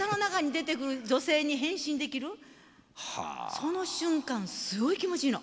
その瞬間すごい気持ちいいの。